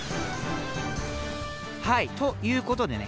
はいということでね